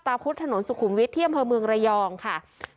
ตาพุทธ์ถนนสุขุมวิทย์เที่ยวเมืองระยองค่ะ